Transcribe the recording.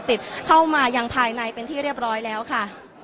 ติดเข้ามายังภายในเป็นที่เรียบร้อยแล้วค่ะ